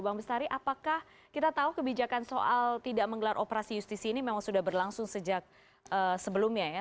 bang bestari apakah kita tahu kebijakan soal tidak menggelar operasi justisi ini memang sudah berlangsung sejak sebelumnya ya